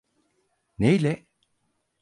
Neyle?